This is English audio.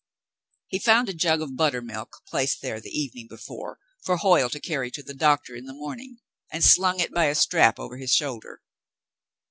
He found a jug of buttermilk placed there the evening before for Hoyle to carry to the doctor in the morning, and slung it by a strap over his shoulder.